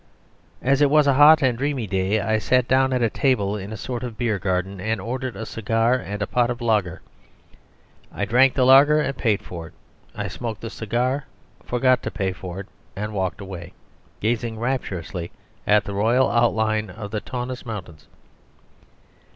As it was a hot and dreamy day, I sat down at a table in a sort of beer garden, and ordered a cigar and a pot of lager. I drank the lager, and paid for it. I smoked the cigar, forgot to pay for it, and walked away, gazing rapturously at the royal outline of the Taunus mountains.